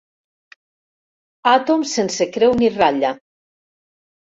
Àtom sense creu ni ratlla.